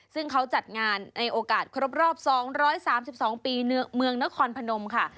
ซึ่งเขาจัดงานในโอกาสครบรอบ๒๓๒ปีเมืองนครพนมค่ะ